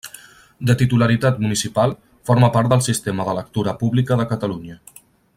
De titularitat municipal, forma part del Sistema de Lectura Pública de Catalunya.